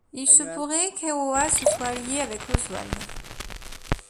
Il se pourrait qu'Eowa se soit allié avec Oswald.